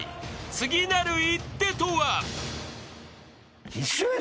［次なる一手とは］